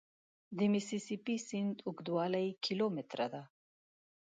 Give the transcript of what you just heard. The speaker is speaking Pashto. د میسي سي پي سیند اوږدوالی کیلومتره دی.